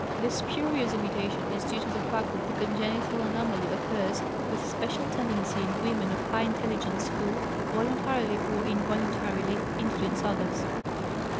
This spurious imitation is due to the fact that the congenital anomaly occurs with special frequency in women of high intelligence who, voluntarily or involuntarily, influence others.